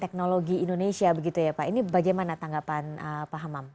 teknologi indonesia begitu ya pak ini bagaimana tanggapan pak hamam